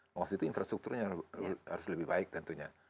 maksudnya itu infrastrukturnya harus lebih baik tentunya